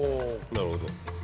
なるほど。